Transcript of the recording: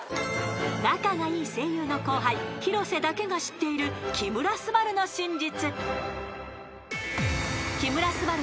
［仲がいい声優の後輩広瀬だけが知っている木村昴の真実］